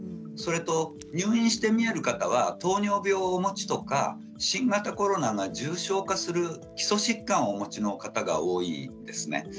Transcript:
それと入院してみえる方は糖尿病をお持ちとか新型コロナが重症化する基礎疾患をお持ちの方が多いですね。